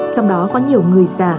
trong đó có nhiều người già